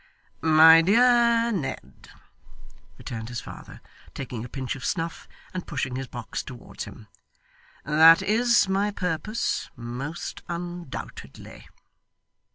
'My dear Ned,' returned his father, taking a pinch of snuff and pushing his box towards him, 'that is my purpose most undoubtedly.